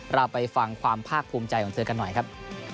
เราไปฟังความภาคภูมิใจของเธอกันหน่อยครับ